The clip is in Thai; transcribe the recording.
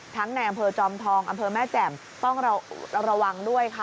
ในอำเภอจอมทองอำเภอแม่แจ่มต้องระวังด้วยค่ะ